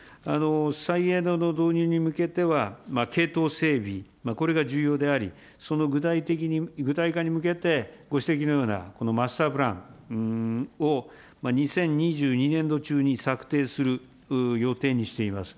再エネの導入に向けては、けいとう整備、これが重要であり、その具体化に向けてご指摘のようなマスタープランを２０２２年度中に策定する予定にしています。